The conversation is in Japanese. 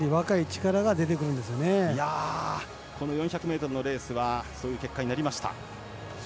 ４００ｍのレースはそういう結果になりました。